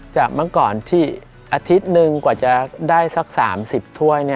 เมื่อก่อนที่อาทิตย์หนึ่งกว่าจะได้สัก๓๐ถ้วย